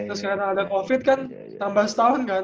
terus karena ada covid kan tambah setahun kan